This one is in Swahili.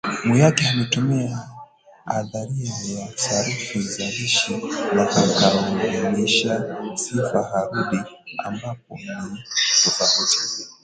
Mwihaki ametumia nadharia ya Sarufi Zalishi na akahusisha sifa arudhi ambapo ni tofauti